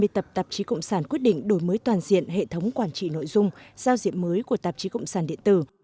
ba mươi tập tạp chí cộng sản quyết định đổi mới toàn diện hệ thống quản trị nội dung giao diện mới của tạp chí cộng sản điện tử